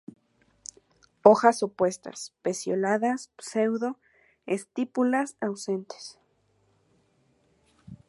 Hojas opuestas; pecioladas, pseudo estípulas ausentes.